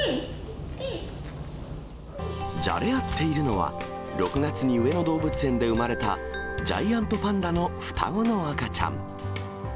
じゃれ合っているのは、６月に上野動物園で産まれたジャイアントパンダの双子の赤ちゃん。